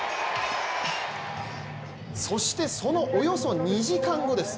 そして、そのおよそ２時間後です。